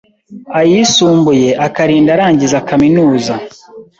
ayisumbuye, akarinda arangiza kaminuza